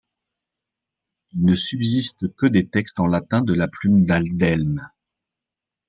Il ne subsiste que des textes en latin de la plume d'Aldhelm.